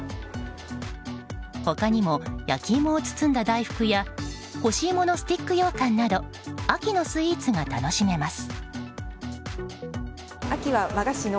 他にも焼き芋を包んだ大福や干し芋のスティックようかんなど秋のスイーツが楽しめます。